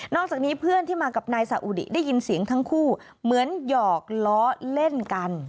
จากนี้เพื่อนที่มากับนายสาอุดิได้ยินเสียงทั้งคู่เหมือนหยอกล้อเล่นกัน